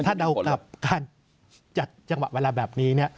ถ้าเดากับการจัดจังหวะเวลาแบบนี้เนี่ย